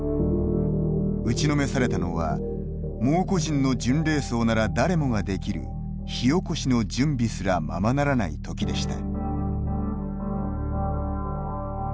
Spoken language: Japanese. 打ちのめされたのは蒙古人の巡礼僧なら誰もができる火おこしの準備すらままならない時でした。